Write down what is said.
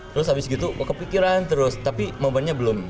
terus habis gitu kepikiran terus tapi momennya belum